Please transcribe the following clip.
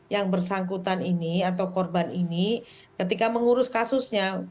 pembersangkutan ini atau korban ini ketika mengurus kasusnya